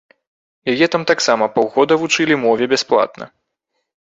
Яе там таксама паўгода вучылі мове бясплатна.